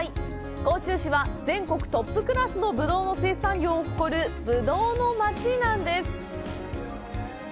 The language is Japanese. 甲州市は、全国トップクラスのぶどうの生産量を誇る、ぶどうの町なんです！